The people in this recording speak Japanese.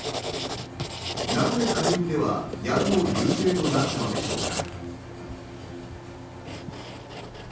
なぜ下院では野党優勢となったのでしょうか？